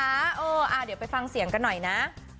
เอออ่าเดี๋ยวไปฟังเสียงกันหน่อยน่ะ